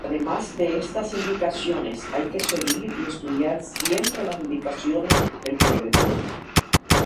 Además de estas indicaciones hay que seguir y estudiar siempre las indicaciones del proveedor.